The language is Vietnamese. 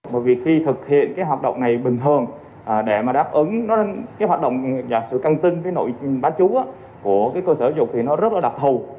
bởi vì khi thực hiện cái hoạt động này bình thường để mà đáp ứng cái hoạt động và sự căng tinh với nội bán trú của cái cơ sở dục thì nó rất là đặc thù